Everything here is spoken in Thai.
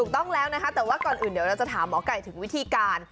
ต้องแล้วนะคะแต่ว่าก่อนอื่นเดี๋ยวเราจะถามหมอไก่ถึงวิธีการ